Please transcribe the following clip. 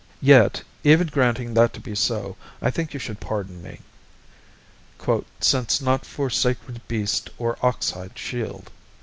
Yet, even granting that to be so, I think you should pardon me, "since not for sacred beast or oxhide shield."